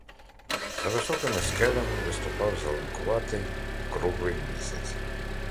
За високими скелями виступав зеленкуватий, круглий місяць.